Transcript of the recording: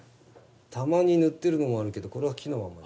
たまに塗ってるのもあるけどこれは木のまま。